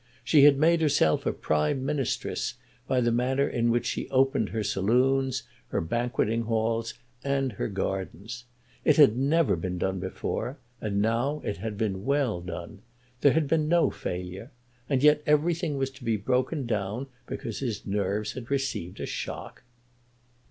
She had made herself a Prime Ministress by the manner in which she opened her saloons, her banqueting halls, and her gardens. It had never been done before, and now it had been well done. There had been no failure. And yet everything was to be broken down because his nerves had received a shock!